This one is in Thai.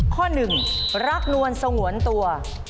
ข้อหนึ่งรักนวลสงวนตัว